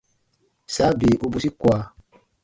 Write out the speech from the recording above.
Saa bii u bwisi kua.